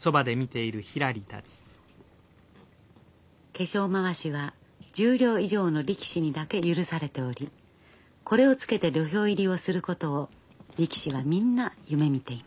化粧まわしは十両以上の力士にだけ許されておりこれをつけて土俵入りをすることを力士はみんな夢みています。